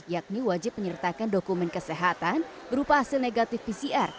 yakni wajib menyertakan dokumen kesehatan berupa hasil negatif pcr